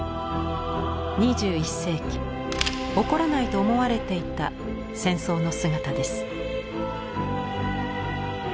２１世紀起こらないと思われていた戦争の姿です。